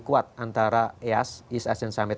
kuat antara eas east asian summit